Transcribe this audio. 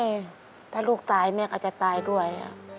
ถ้าลูกตายแม่ก็จะตายด้วย